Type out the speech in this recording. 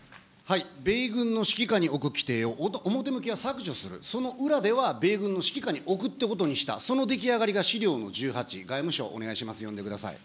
米軍の指揮下に置く規定を表向きは削除する、その裏では米軍の指揮下に置くってことにした、その出来上がりが資料の１８、外務省、お願いします、読んでください。